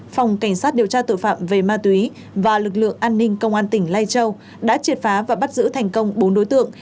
phòng cảnh sát điều tra tội phạm về ma túy và lực lượng an ninh công an tỉnh lai châu đã triệt phá và bắt giữ thành công bốn đối tượng